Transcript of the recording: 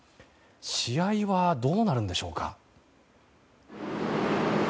試合はどうなるんでしょうか。